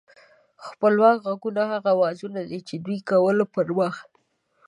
خپلواک غږونه هغه اوازونه دي چې د دوی کولو پر وخت